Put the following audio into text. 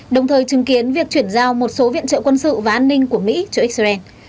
đồng thời chứng kiến việc chuyển giao một số viện trợ quân sự và an ninh của mỹ cho israel